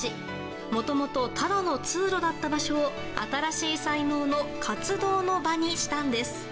もともとただの通路だった場所を新しい才能の活動の場にしたんです。